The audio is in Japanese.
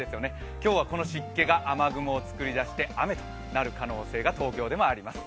今日はこの湿気が雨雲をつくり出して雨となる可能性が東京でもあります。